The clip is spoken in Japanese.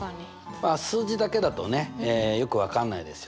まあ数字だけだとねよく分かんないですよね。